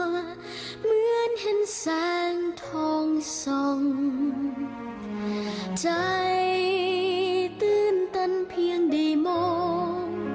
เหมือนเห็นแสงทองส่องใจตื่นตันเพียงได้มอง